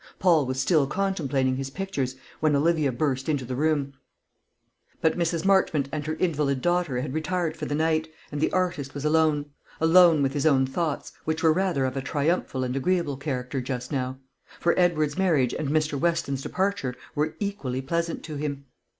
Paul was still contemplating his pictures when Olivia burst into the room; but Mrs. Marchmont and her invalid daughter had retired for the night, and the artist was alone, alone with his own thoughts, which were rather of a triumphal and agreeable character just now; for Edward's marriage and Mr. Weston's departure were equally pleasant to him.